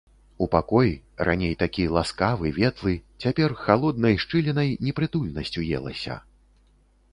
У пакой, раней такі ласкавы, ветлы, цяпер халоднай шчылінай непрытульнасць уелася.